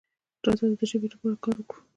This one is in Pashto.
راځه د ژبې لپاره کار وکړو.